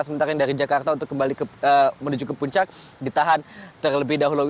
sementara yang dari jakarta untuk kembali menuju ke puncak ditahan terlebih dahulu